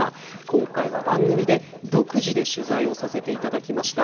今回は番組で独自で取材をさせていただきました。